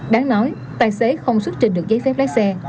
đáng nói tài xế không xuất trình được giấy phép lái xe